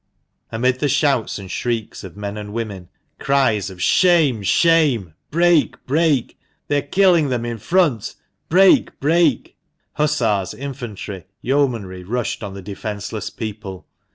Amid the shouts and shrieks of men and women, cries of "Shame! shame!" "Break! break!" "They are killing them in front !"" Break ! break !" Hussars, infantry, yeomanry rushed on the defenceless people.